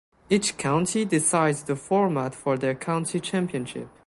Each county decides the format for their county championship.